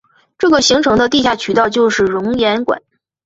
这个形成的地下渠道就是熔岩管。